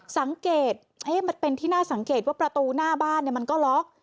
สังเกตมันเป็นที่น่าสังเกตว่าประตูหน้าบ้านมันก็ล็อก